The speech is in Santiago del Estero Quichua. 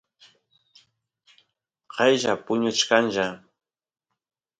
qella puñuchkanlla